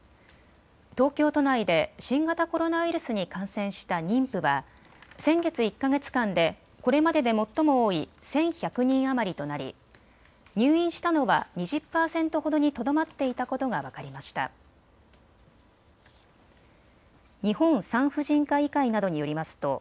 東京都内で新型コロナウイルスに感染した妊婦は先月１か月間でこれまでで最も多い１１００人余りとなり入院したのは２０％ほどにとどまっていたことが分かりました。